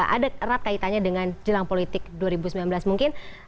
ada erat kaitannya dengan jelang politik dua ribu sembilan belas mungkin